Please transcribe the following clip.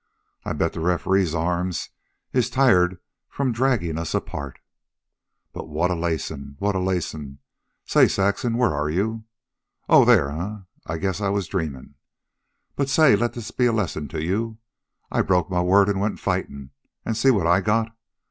I bet the referee's arms is tired from draggin' us apart.... "But what a lacin'! What a lacin'! Say, Saxon... where are you? Oh, there, eh? I guess I was dreamin'. But, say, let this be a lesson to you. I broke my word an' went fightin', an' see what I got.